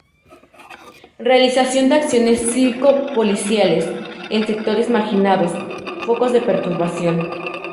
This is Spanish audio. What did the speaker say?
Realización de acciones cívico-policiales, en sectores marginados, focos de perturbación.